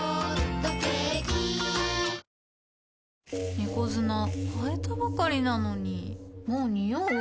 猫砂替えたばかりなのにもうニオう？